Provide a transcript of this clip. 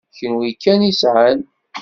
D kenwi kan i sɛant.